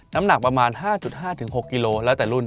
น้ำหนักประมาณ๕๕๖กิโลแล้วแต่รุ่น